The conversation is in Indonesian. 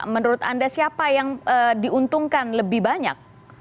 menurut anda siapa yang diuntungkan lebih banyak